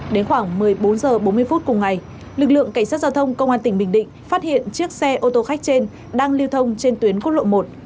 đến khoảng một mươi bốn h bốn mươi phút cùng ngày lực lượng cảnh sát giao thông công an tỉnh bình định phát hiện chiếc xe ô tô khách trên đang lưu thông trên tuyến quốc lộ một